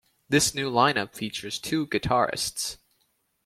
This new line-up featured two guitarists.